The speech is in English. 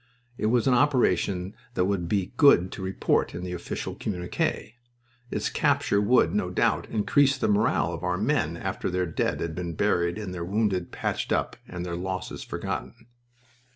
It was an operation that would be good to report in the official communique. Its capture would, no doubt, increase the morale of our men after their dead had been buried and their wounded patched up and their losses forgotten.